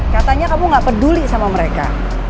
katanya kamu gak peduli sama mereka